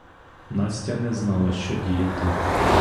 Настя не знала, що діяти.